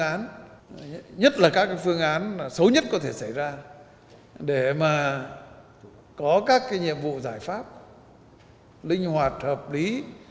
án nhất là các phương án xấu nhất có thể xảy ra để mà có các nhiệm vụ giải pháp linh hoạt hợp lý